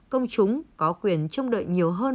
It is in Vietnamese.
công chúng có quyền trông đợi nhiều hơn